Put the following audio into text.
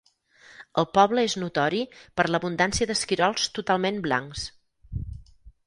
El poble és notori per l'abundància d'esquirols totalment blancs.